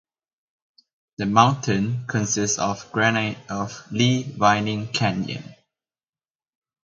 The mountain consists of granite of Lee Vining Canyon.